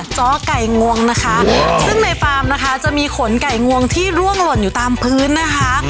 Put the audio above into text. จ้อไก่งวงนะคะซึ่งในฟาร์มนะคะจะมีขนไก่งวงที่ร่วงหล่นอยู่ตามพื้นนะคะ